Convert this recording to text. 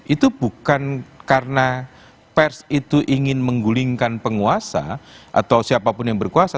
itu bukan karena pers itu ingin menggulingkan penguasa atau siapapun yang berkuasa